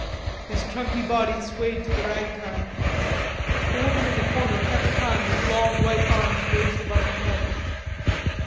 His chunky body swayed to the ragtime. The woman in the corner kept time with long white arms raised above her head.